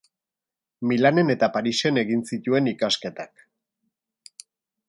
Milanen eta Parisen egin zituen ikasketak.